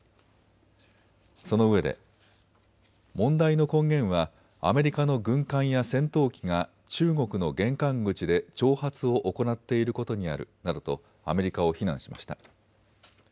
そのうえで問題の根源はアメリカの軍艦や戦闘機が中国の玄関口で挑発を行っていることにあるなどとアメリカを非難しました。